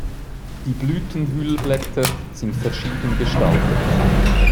Die Blütenhüllblätter sind verschieden gestaltet.